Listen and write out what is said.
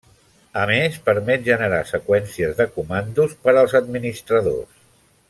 A més, permet generar seqüències de comandos per als administradors.